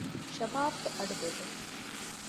ޝަބާބްގެ އަޑު ބެދުން